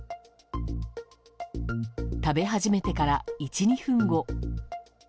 食べ始めてから１２分後。